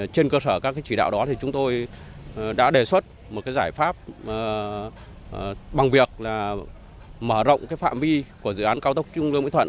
trên cơ sở các chỉ đạo đó thì chúng tôi đã đề xuất một giải pháp bằng việc mở rộng phạm vi của dự án cao tốc trung lương mỹ thuận